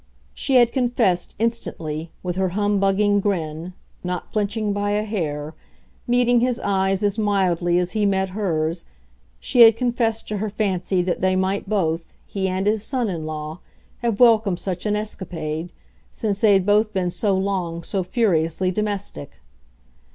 She had confessed, instantly, with her humbugging grin, not flinching by a hair, meeting his eyes as mildly as he met hers, she had confessed to her fancy that they might both, he and his son in law, have welcomed such an escapade, since they had both been so long so furiously domestic.